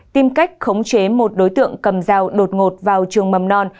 tìm cách khống chế một đối tượng cầm dao đột ngột vào trường mầm non